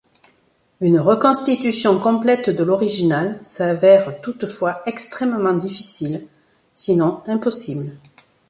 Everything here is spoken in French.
Une reconstitution complète de l'original s'avère toutefois extrêmement difficile, sinon impossible.